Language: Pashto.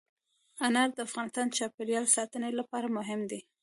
انار د افغانستان د چاپیریال ساتنې لپاره مهم دي.